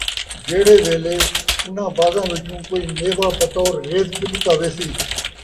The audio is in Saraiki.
جہڑے ویلے اُنھاں باغاں وچوں کوئی میوہ بطورِ رزق ݙِتا ویسی ،